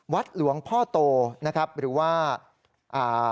วัดหลวงพ่อโตนะครับหรือว่าอ่า